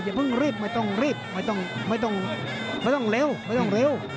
อย่าเพิ่งรีบไม่ต้องรีบไม่ต้องไม่ต้อง